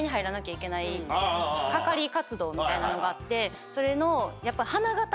みたいなのがあってそれの。